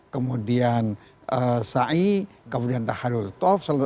kemudian sa'i kemudian tahadul tawaf